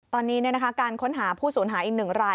ตอนนี้การค้นหาผู้สูญหายอีก๑ราย